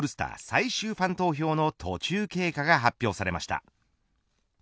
最終ファン投票の途中経過が発表されました。